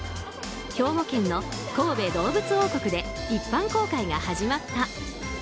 兵庫県の神戸どうぶつ王国で一般公開が始まった。